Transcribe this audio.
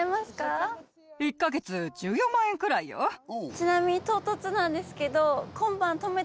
ちなみに唐突なんですけど。